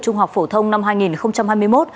trung học phổ thông năm hai nghìn hai mươi một